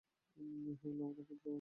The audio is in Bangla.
সে বলল, হে আমার পুত্রগণ!